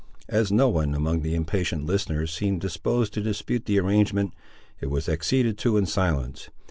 As no one among the impatient listeners seemed disposed to dispute the arrangement, it was acceded to in silence.